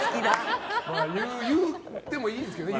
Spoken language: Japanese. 言ってもいいんですけどね